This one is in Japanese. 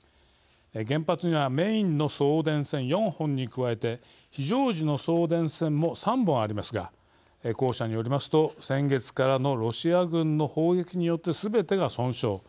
原発にはメインの送電線４本に加えて非常時の送電線も３本ありますが公社によりますと、先月からのロシア軍の砲撃によってすべてが損傷。